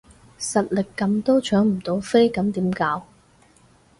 實力緊都搶唔到飛咁點搞？